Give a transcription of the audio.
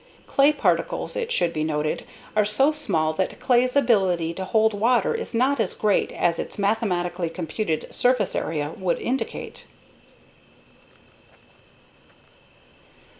Clay particles, it should be noted, are so small that clay's ability to hold water is not as great as its mathematically computed surface area would indicate.